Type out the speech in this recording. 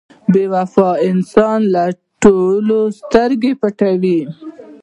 • بې وفا انسان له ټولو سترګې پټوي.